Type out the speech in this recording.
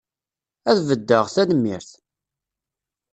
Ad beddeɣ, tanemmirt!